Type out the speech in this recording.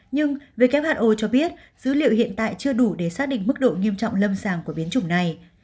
nhưng who cho biết dữ liệu hiện tại chưa đủ để xác định mức độ nghiêm trọng lâm sàng của biến chủng này